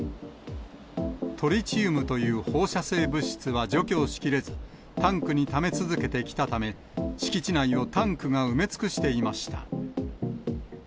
トリチウムという放射性物質は除去しきれずタンクにため続けてきたため、敷地内をタンクが埋め尽くしていました。